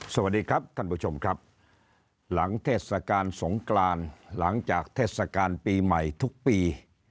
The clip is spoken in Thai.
สวัสดีครับท่านผู้ชมครับหลังเทศกาลสงกรานหลังจากเทศกาลปีใหม่ทุกปี